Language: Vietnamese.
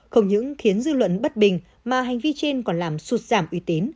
không những khiến dư luận bất bình mà hành vi trên còn làm sụt giảm uy tín